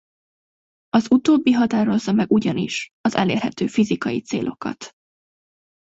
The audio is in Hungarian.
Az utóbbi határozza meg ugyanis az elérhető fizikai célokat.